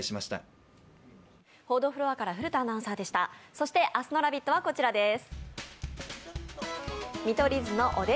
そして明日の「ラヴィット！」はこちらです。